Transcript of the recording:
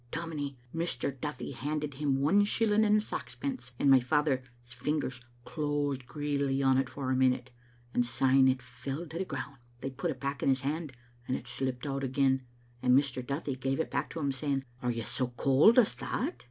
Dom inie, Mr. Duthie handed him one shilling and saxpence, and my father's fingers closed greedily on't for a minute, and syne it fell to the ground. They put it back in his hand, and it slipped out again, and Mr. Duthie gave it back to him, saying, * Are you so cauld as that?